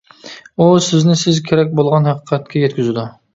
ئۇ سىزنى سىز كېرەك بولغان ھەقىقەتكە يەتكۈزىدۇ.